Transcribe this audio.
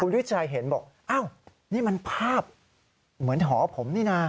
วิชัยเห็นบอกอ้าวนี่มันภาพเหมือนหอผมนี่นะ